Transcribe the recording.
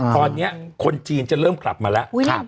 ตอนนี้คนจีนจะเริ่มกลับมาแล้ว